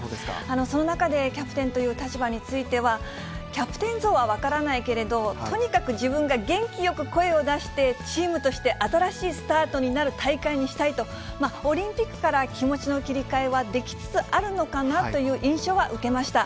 その中でキャプテンという立場については、キャプテン像は分からないけれど、とにかく自分が元気よく声を出して、チームとして新しいスタートになる大会にしたいと、オリンピックから気持ちの切り替えはできつつあるのかなという印象は受けました。